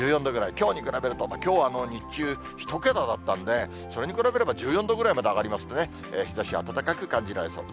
きょうに比べると、きょうは日中１桁だったんで、それに比べれば１４度ぐらいまで上がりますので、日ざし暖かく感じられそうです。